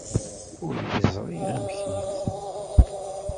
Ur yeẓri amek-it?